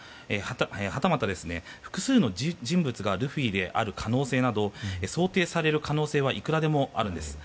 はたまた、複数の人物がルフィである可能性など想定される可能性はいくらでもあるんです。